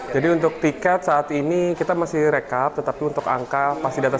jadi untuk tiket saat ini kita masih rekap tetapi untuk angka pasti diatas tiga puluh